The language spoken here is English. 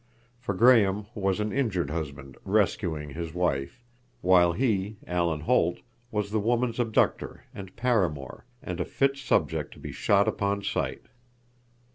For Graham was an injured husband "rescuing" his wife, while he—Alan Holt—was the woman's abductor and paramour, and a fit subject to be shot upon sight!